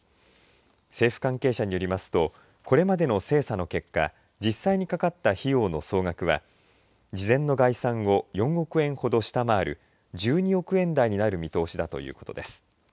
政府関係者によりますとこれまでの精査の結果実際にかかった費用の総額は事前の概算を４億円ほど下回る１２億円台になる見通しだということです。